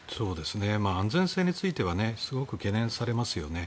安全性についてはすごく懸念されますよね。